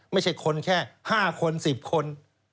ไม่ใช่คนแค่๕คน๑๐คน